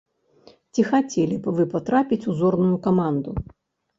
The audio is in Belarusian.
Ці хацелі б вы патрапіць у зорную каманду?